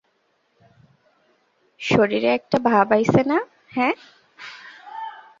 শরীরে একটা ভাব আইছে না, হ্যাঁ?